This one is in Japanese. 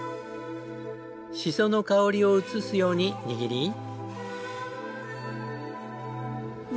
シソの香りを移すように握り。